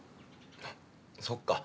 あそっか。